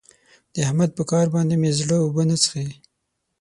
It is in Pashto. د احمد په کار باندې مې زړه اوبه نه څښي.